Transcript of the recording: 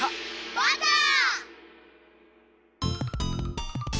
バター！